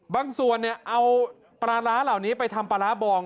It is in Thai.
บางส่วนเนี่ยเอาปลาร้าเหล่านี้ไปทำปลาร้าบอง